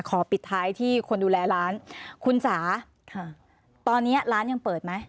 ปิดท้ายที่คนดูแลร้านคุณจ๋าตอนนี้ร้านยังเปิดไหม